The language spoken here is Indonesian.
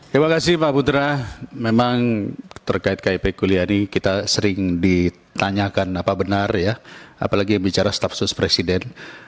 terima kasih pak putra memang terkait kip kuliani kita sering ditanyakan apa benar ya apalagi bicara staf suspresiden